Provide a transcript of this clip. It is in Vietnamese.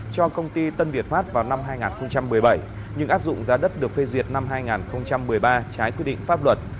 cho công ty tân việt pháp vào năm hai nghìn một mươi bảy nhưng áp dụng giá đất được phê duyệt năm hai nghìn một mươi ba trái quy định pháp luật